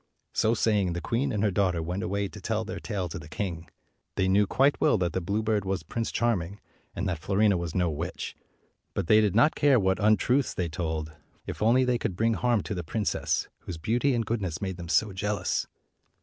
So saying, the queen and her daughter went away to tell their tale to the king. They knew quite well that the bluebird was Prince Charm 219 in g, and that Fiorina was no witch; but they did not care what untruths they told, if only they could bring harm to the princess, whose beauty and goodness made them so jealous.